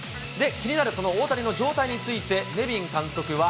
気になるその大谷の状態について、ネビン監督は。